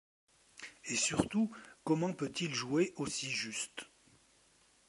Et surtout, comment peut-il jouer aussi juste?